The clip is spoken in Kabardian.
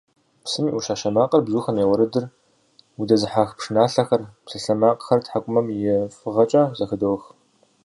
Псым и Ӏущащэ макъыр, бзухэм я уэрэдыр, удэзыхьэх пшыналъэхэр, псалъэмакъхэр тхьэкӀумэм и фӀыгъэкӀэ зэхыдох.